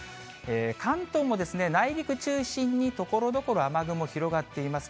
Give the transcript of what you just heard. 関東も内陸中心にところどころ、雨雲広がっています。